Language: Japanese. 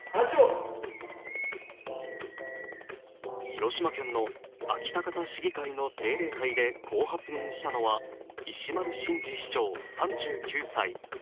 広島県の安芸高田市議会の定例会でこう発言したのは石丸伸二市長３９歳。